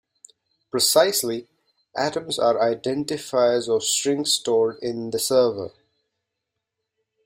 Precisely, atoms are identifiers of strings stored in the server.